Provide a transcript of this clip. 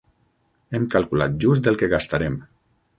Hem calculat just el que gastarem.